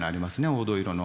黄土色の。